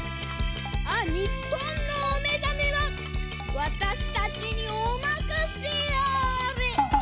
あっニッポンのおめざめはわたしたちにおまかせあれ！